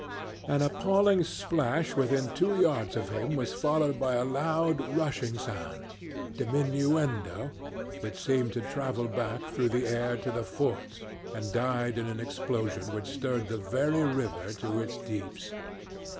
An appalling plash within two yards of him was followed by a loud, rushing sound, diminuendo, which seemed to travel back through the air to the fort and died in an explosion which stirred the very river to its deeps!